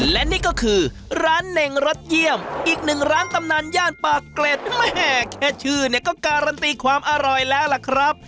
และนี่ก็คือร้านเน่งรสเยี่ยมอีกหนึ่งร้านตำนานย่านปากเกร็ดแม่แค่ชื่อเนี่ยก็การันตีความอร่อยแล้วล่ะครับ